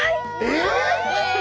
えっ！